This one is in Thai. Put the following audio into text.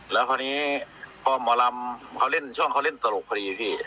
แล้วคราวนี้พอหมอลำเขาเล่นช่วงเขาเล่นตลกพอดีพี่